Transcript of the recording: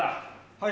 はい。